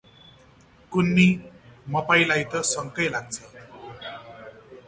कुन्नि, मपाईंलाई त शकै लाग्छ ।